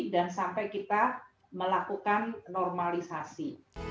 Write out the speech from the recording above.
dan sampai kita melakukan normalisasi